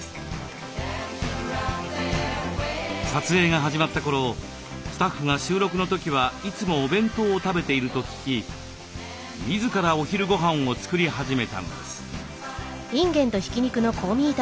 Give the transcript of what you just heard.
撮影が始まった頃スタッフが収録の時はいつもお弁当を食べていると聞き自らお昼ごはんを作り始めたのです。